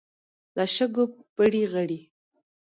له شګو پړي غړي.